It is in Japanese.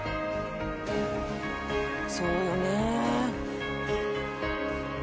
そうよね。